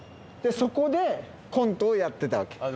そこでコントをやってたわけ。